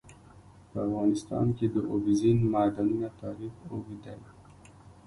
په افغانستان کې د اوبزین معدنونه تاریخ اوږد دی.